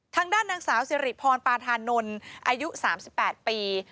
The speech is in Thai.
ทางด้านนางสาวสิริพรปาธานนท์อายุ๓๘ปี